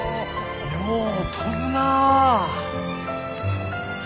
よう飛ぶなぁ。